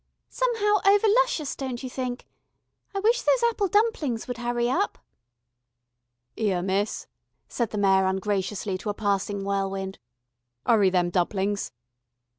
"Somehow over luscious, don't you think? I wish those apple dumplings would hurry up." "'Ere, miss," said the Mayor ungraciously to a passing whirlwind. "'Urry them dumplings."